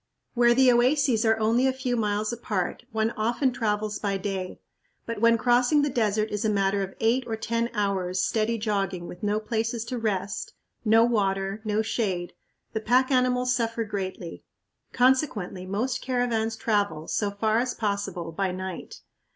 FIGURE Mt. Coropuna from the Northwest Where the oases are only a few miles apart one often travels by day, but when crossing the desert is a matter of eight or ten hours' steady jogging with no places to rest, no water, no shade, the pack animals suffer greatly. Consequently, most caravans travel, so far as possible, by night.